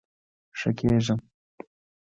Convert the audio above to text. ښه کیږم